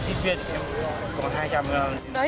chị cho em xin